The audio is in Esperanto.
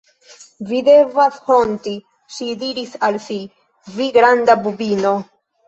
"Vi devas honti," ŝi diris al si, "vi granda bubino!"